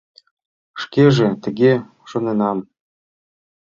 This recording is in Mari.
Шкеже тыге шоненам.